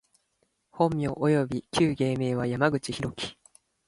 本名および旧芸名は、山口大樹（やまぐちひろき）